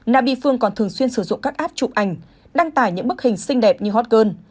nabifone còn thường xuyên sử dụng các app chụp ảnh đăng tải những bức hình xinh đẹp như hot girl